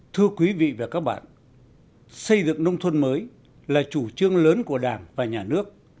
thưa quý vị và các bạn xây dựng nông thôn mới là chủ trương lớn của đảng và nhà nước